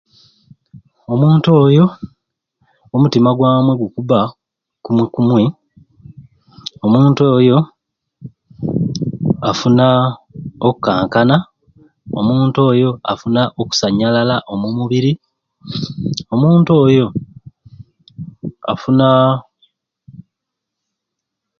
Omuntu oyo omutima gwamwe gukuba kumweikumwei omuntu oyoafuna okukankana omuntu oyo afuna okusanyalala omu mubiri omuntu oyo afuna